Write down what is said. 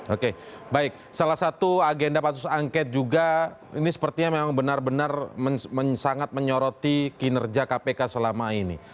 oke baik salah satu agenda pansus angket juga ini sepertinya memang benar benar sangat menyoroti kinerja kpk selama ini